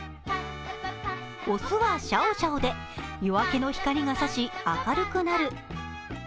雄はシャオシャオで夜明けの光が差し、明るくなる。